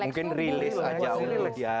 mungkin rileks aja dulu dia